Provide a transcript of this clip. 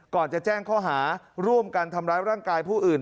ก่อนจะแจ้งข้อหาร่วมกันทำร้ายร่างกายผู้อื่น